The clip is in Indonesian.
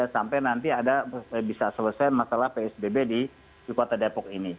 sampai nanti ada bisa selesai masalah psbb di kota depok ini